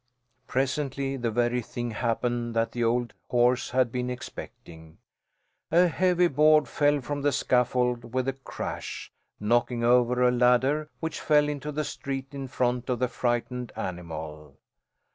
Presently the very thing happened that the old horse had been expecting. A heavy board fell from the scaffold with a crash, knocking over a ladder, which fell into the street in front of the frightened animal.